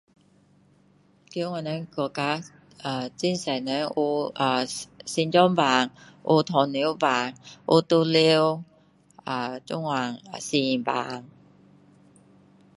在我们的国家很多人有呃有心脏病有糖尿病有毒瘤呃这样肾病